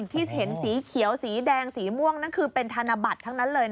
ที่เห็นสีเขียวสีแดงสีม่วงนั่นคือเป็นธนบัตรทั้งนั้นเลย